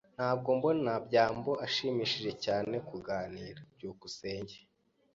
Ntabwo mbona byambo ashimishije cyane kuganira. byukusenge